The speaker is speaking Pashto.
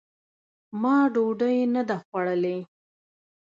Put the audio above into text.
ما ډوډۍ نه ده خوړلې !